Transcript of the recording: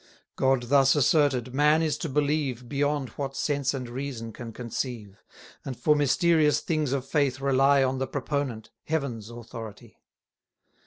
God thus asserted, man is to believe Beyond what sense and reason can conceive, And for mysterious things of faith rely 120 On the proponent, Heaven's authority.